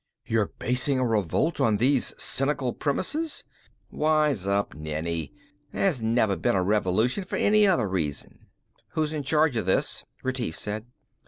"You're basing a revolt on these cynical premises?" "Wise up, Nenni. There's never been a revolution for any other reason." "Who's in charge of this?" Retief said.